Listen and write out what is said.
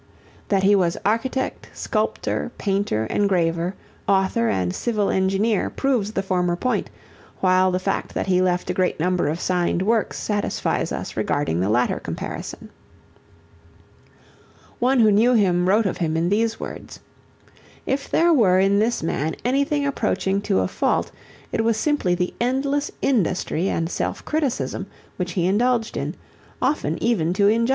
That he was architect, sculptor, painter, engraver, author and civil engineer proves the former point, while the fact that he left a great number of signed works satisfies us regarding the latter comparison. One who knew him wrote of him in these words, "If there were in this man anything approaching to a fault it was simply the endless industry and self criticism which he indulged in, often even to injustice."